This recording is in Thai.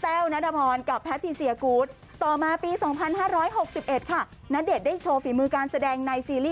แววนัทพรกับแพทิเซียกูธต่อมาปี๒๕๖๑ค่ะณเดชน์ได้โชว์ฝีมือการแสดงในซีรีส์